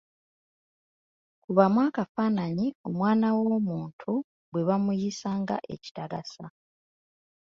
Kubamu akafaananyi omwana w'omuntu bwe bamuyisa nga ekitagasa!